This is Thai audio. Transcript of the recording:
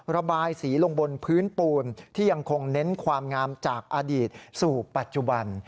ระบายสีลงบนพื้นปูนที่ยังคงเน้นความงามจากอดีตสู่ปัจจุบัน